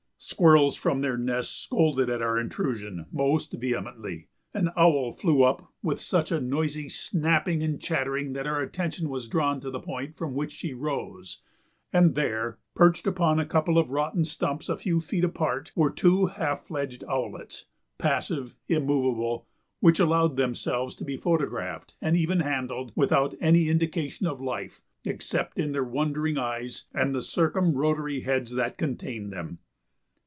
Squirrels from their nests scolded at our intrusion most vehemently; an owl flew up with such a noisy snapping and chattering that our attention was drawn to the point from which she rose, and there, perched upon a couple of rotten stumps a few feet apart, were two half fledged owlets, passive, immovable, which allowed themselves to be photographed and even handled without any indication of life except in their wondering eyes and the circumrotary heads that contained them.